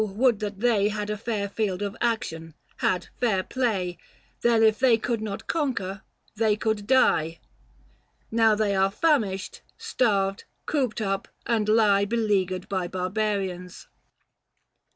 would that they 435 Had a fair field of action, had fair play ! Then, if they could not conquer, they could die. Now are they famished, starved, cooped up, and lie Beleaguered by barbarians."